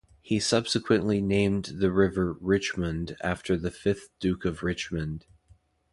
He subsequently named the river Richmond after the fifth Duke of Richmond.